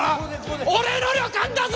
俺の旅館だぞ！